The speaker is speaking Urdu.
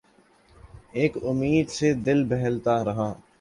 ایک امید سے دل بہلتا رہا